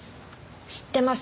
知ってます。